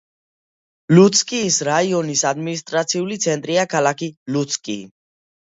ლუცკის რაიონის ადმინისტრაციული ცენტრია ქალაქი ლუცკი.